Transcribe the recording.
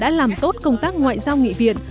đã làm tốt công tác ngoại giao nghị viện